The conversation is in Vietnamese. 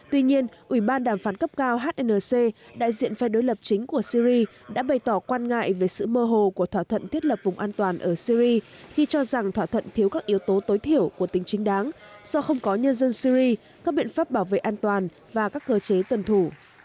tuy nhiên ủy ban đàm phán cấp cao hnc đại diện phe đối lập chính của syri đã bày tỏ quan ngại về sự mơ hồ của thỏa thuận thiết lập vùng an toàn ở syri khi cho rằng thỏa thuận thiếu các yếu tố tối thiểu của tính chính đáng do không có nhân dân syri các biện pháp bảo vệ an toàn và các cơ chế tuần thủ